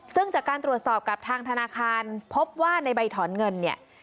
ซึ่งจากการตรวจสอบกับทางธนาคารพบว่าในใบถอนเงินเนี่ย